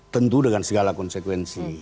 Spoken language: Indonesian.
tentu dengan segala konsekuensi